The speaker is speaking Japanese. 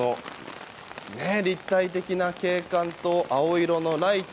立体的な景観と青色のライト。